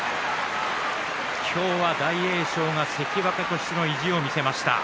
今日は大栄翔が関脇としての意地を見せました。